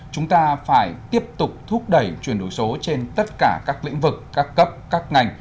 chúng ta phải tiếp tục thúc đẩy chuyển đổi số trên tất cả các lĩnh vực các cấp các ngành